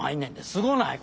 すごない？